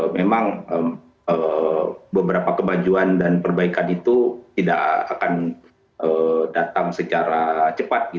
memang beberapa kebajuan dan perbaikan itu tidak akan datang secara cepat